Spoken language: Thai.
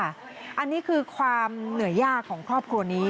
อันนี้คือความเหนื่อยยากของครอบครัวนี้